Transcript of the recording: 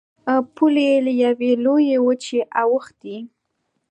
پولې یې له یوې لویې وچې اوښتې.